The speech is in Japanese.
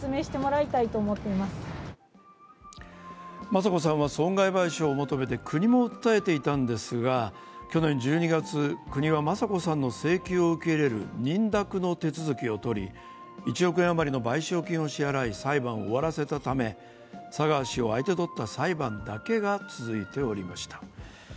雅子さんは損害賠償を求めて国も訴えていたんですが去年１２月、国は雅子さんの請求を受け入れる認諾の手続きをとり、１億円余りの賠償金を支払い裁判を終わらせたため佐川氏を相手取った裁判だけが続いておりました。